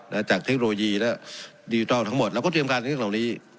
และจากเทคโนโลยีและดิจิทัลทั้งหมดเราก็เตรียมการในเรื่องเหล่านี้